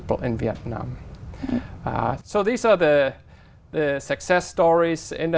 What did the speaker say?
và việt nam đạt được khá đặc biệt